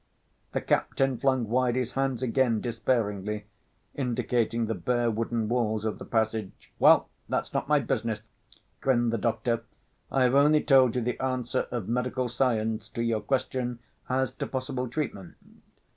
The captain flung wide his hands again despairingly, indicating the bare wooden walls of the passage. "Well, that's not my business," grinned the doctor. "I have only told you the answer of medical science to your question as to possible treatment.